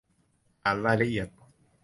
อ่านรายละเอียด